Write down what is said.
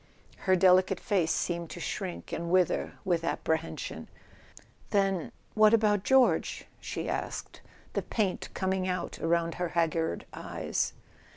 Her delicate face seemed to shrink and wither with apprehension. "Then—what about George?" she asked, the paint coming out about her haggard eyes.